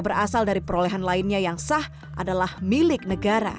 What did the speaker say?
pasal satu ayat satu menyebutkan